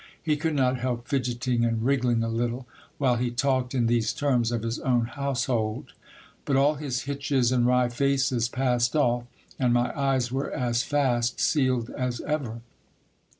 He could not help fidgeting and wriggling a little, while he talked in these terms of his own household ; but all his hitches and wry faces passed off, and my eyes were as fast sealed as ever.